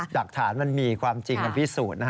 หลักฐานมันมีความจริงมันพิสูจน์นะฮะ